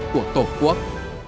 của tổ quốc